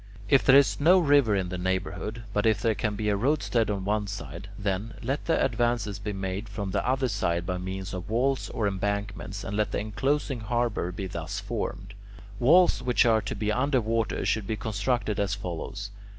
If there is no river in the neighbourhood, but if there can be a roadstead on one side, then, let the advances be made from the other side by means of walls or embankments, and let the enclosing harbour be thus formed. Walls which are to be under water should be constructed as follows.